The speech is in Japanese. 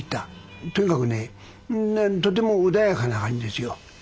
とにかくねとても穏やかな感じですよ。